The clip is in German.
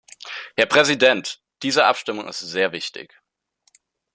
Herr Präsident! Diese Abstimmung ist sehr wichtig.